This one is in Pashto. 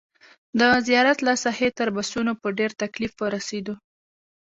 د زیارت له ساحې تر بسونو په ډېر تکلیف ورسېدو.